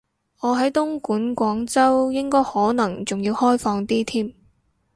我喺東莞，廣州應該可能仲要開放啲添